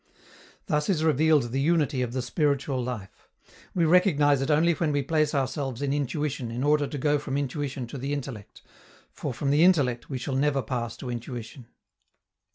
Thus is revealed the unity of the spiritual life. We recognize it only when we place ourselves in intuition in order to go from intuition to the intellect, for from the intellect we shall never pass to intuition.